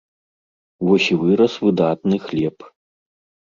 Вось і вырас выдатны хлеб.